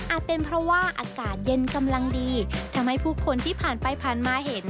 เป็นเพราะว่าอากาศเย็นกำลังดีทำให้ผู้คนที่ผ่านไปผ่านมาเห็น